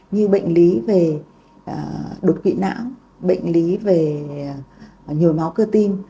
như bệnh lý về đột quỵ não bệnh lý về nhồi máu cơ tim